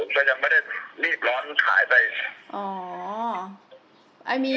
ก็ยังไม่ได้รีบร้อนขายไป